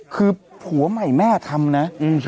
คือผัวใหม่แม่ทำนะ